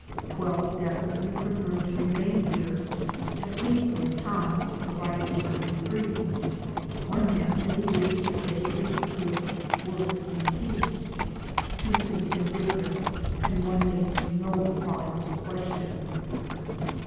Twelve definitely preferred to remain here, at least for a time, provided they could be freed. One man said he wished to stay if he could "work in peace"; two seemed indifferent, and one made no reply to the question.